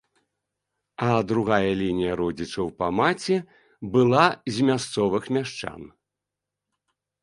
А другая лінія родзічаў па маці была з мясцовых мяшчан.